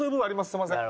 すいません。